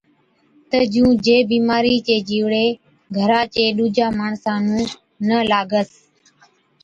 تہ جُون جي بِيمارِي چين جِيوڙين گھرا چي ڏُوجان ماڻسا نُون نہ لاگس۔